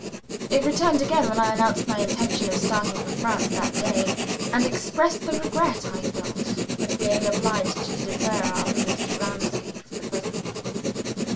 It returned again, when I announced my intention of starting for France that day, and expressed the regret I felt at being obliged to defer our visit to Ramsgate for the present.